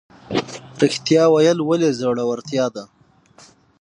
ریښتیا ویل ولې زړورتیا ده؟